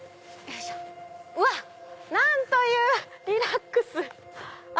うわ！何というリラックス！